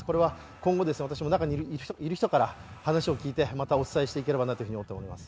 今後、中にいる人に話を聞いて、またお伝えしていければなと思っています。